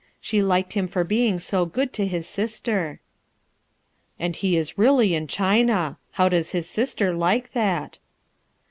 She liked him for being so good to his sister." "And he is really in China 1 How does his sister like that?"